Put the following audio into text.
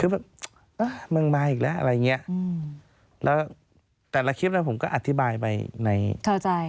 คือแบบมันมาอีกแล้วอะไรเงี้ยแล้วแต่ละคลิปนั้นผมก็อธิบายไปใน